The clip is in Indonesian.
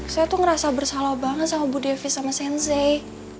saya tuh ngerasa bersalah banget sama bu devi sama sensi